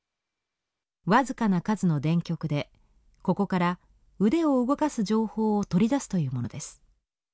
わずかな数の電極でここから腕を動かす情報を取り出すというものです。